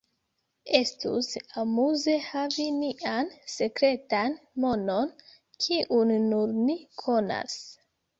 Estus amuze havi nian sekretan monon kiun nur ni konas.